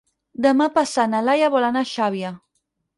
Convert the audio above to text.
Demà passat na Laia vol anar a Xàbia.